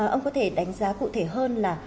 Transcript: ông có thể đánh giá cụ thể hơn là